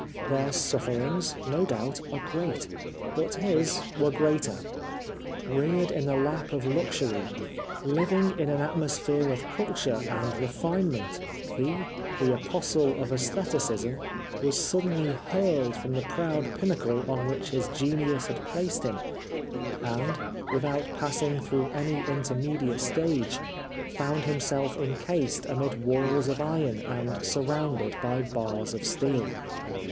Their sufferings, no doubt, are great, but his were greater. Reared in the lap of luxury, living in an atmosphere of culture and refinement, he, the Apostle of ^stheticism, was suddenly hurled from the proud pinnacle on which his genius had placed him, and, without passing through any inter mediate stage, found himself encased amid walls of iron and surrounded by bars of steel.